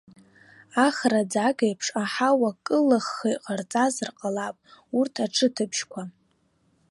Ахраӡагеиԥш аҳауа кылыхха иҟарҵазар ҟалап урҭ аҿыҭыбжьқәа.